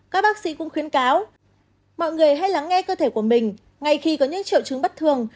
các bác sĩ cũng khuyến cáo mọi người hãy lắng nghe cơ thể của mình ngay khi có những triệu chứng bất thường